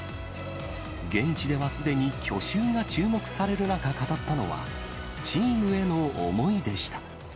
現地ではすでに、去就が注目される中語ったのは、チームへの思いでした。